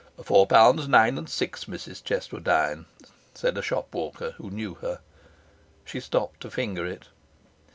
'Four pounds, nine and six, Mrs Cheswardine,' said a shop walker, who knew her. She stopped to finger it.